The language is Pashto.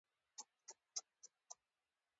استاد د پرمختګ کلۍ ده.